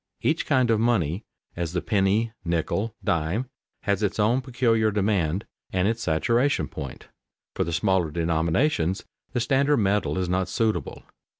Each kind of money, as the penny, nickel, dime, has its own peculiar demand and its saturation point. For the smaller denominations the standard metal is not suitable.